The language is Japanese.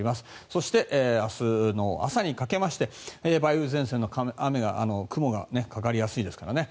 そして明日の朝にかけてまして梅雨前線の雲がかかりやすいですからね。